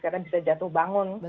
karena bisa jatuh bangun